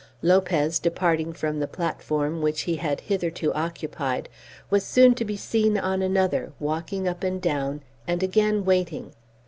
Lopez, departing from the platform which he had hitherto occupied, was soon to be seen on another, walking up and down, and again waiting.